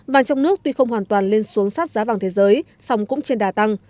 vàng trong nước tuy không hoàn toàn lên xuống sát giá vàng thế giới song cũng trên đà tăng